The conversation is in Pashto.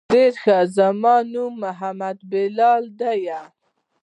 ډېر ښه زما نوم محمد بلال ديه.